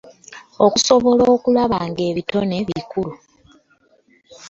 Okusobola okulaba ng'ebitone bikula